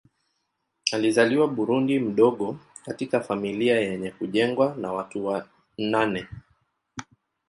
Alizaliwa Burundi mdogo katika familia yenye kujengwa na watu wa nane.